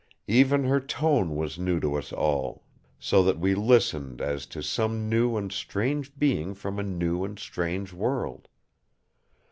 Even her tone was new to us all; so that we listened as to some new and strange being from a new and strange world.